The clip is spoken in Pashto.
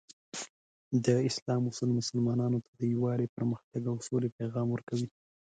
د اسلام اصول مسلمانانو ته د یووالي، پرمختګ، او سولې پیغام ورکوي.